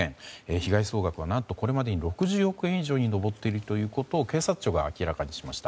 被害総額は何とこれまでに６０億円以上に上っているということを警察庁が明らかにしました。